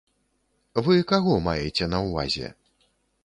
Вы каго маеце на ўвазе?!